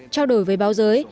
trao đổi với báo giới